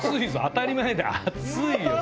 当たり前だ熱いよ！